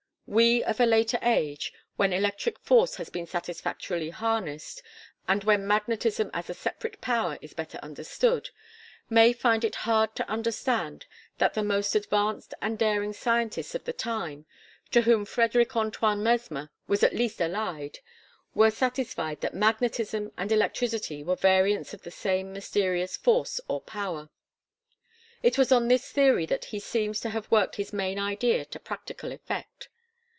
We of a later age, when electric force has been satisfactorily harnessed and when magnetism as a separate power is better understood, may find it hard to understand that the most advanced and daring scientists of the time to whom Frederic Antoine Mesmer was at least allied were satisfied that magnetism and electricity were variants of the same mysterious force or power. It was on this theory that he seems to have worked his main idea to practical effect.